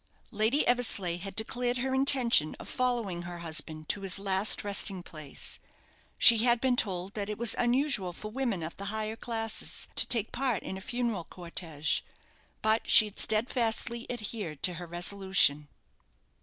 Lady Eversleigh had declared her intention of following her husband to his last resting place. She had been told that it was unusual for women of the higher classes to take part in a funeral cortège; but she had stedfastly adhered to her resolution.